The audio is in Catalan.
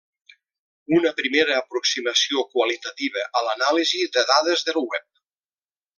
Una primera aproximació qualitativa a l'anàlisi de dades del web.